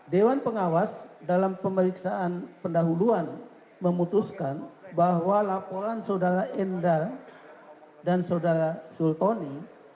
dewan pengawas dalam pemeriksaan pendahuluan memutuskan bahwa laporan saudara enda dan saudara sultoni